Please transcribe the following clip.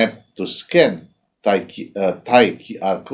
untuk mengekori kode qr thai